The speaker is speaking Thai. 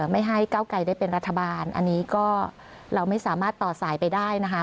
ไม่ให้เก้าไกลได้เป็นรัฐบาลอันนี้ก็เราไม่สามารถต่อสายไปได้นะคะ